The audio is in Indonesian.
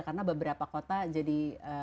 karena beberapa kota jadi